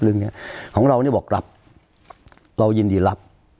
อย่างนี้ของเราเนี่ยบอกรับเรายินดีรับ